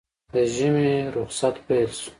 د ژمي روخصت پېل شو